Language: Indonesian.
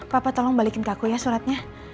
papa tolong balikin ke aku ya suratnya